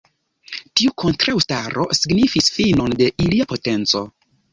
Tiu kontraŭstaro signifis finon de ilia potenco.